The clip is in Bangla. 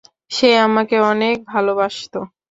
সে আমাকে অনেক ভালোবাসতো।